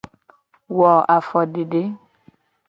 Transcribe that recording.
Wo afodede.